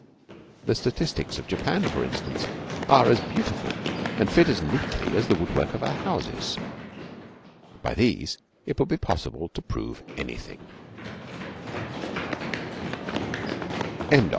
The statistics of Japan, for instance, are as beautiful and fit as neatly as the woodwork of her houses. By these it would be possible to prove anything.